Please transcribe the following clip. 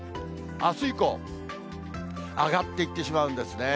あす以降、上がっていってしまうんですね。